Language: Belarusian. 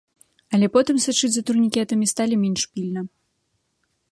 Але потым сачыць за турнікетамі сталі менш пільна.